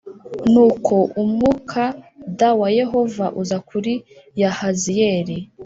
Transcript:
Nuko umwukad wa Yehova uza kuri Yahaziyeli